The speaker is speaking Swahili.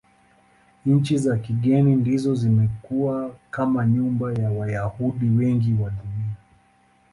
Nchi za kigeni ndizo zimekuwa kama nyumbani kwa Wayahudi wengi wa Dunia.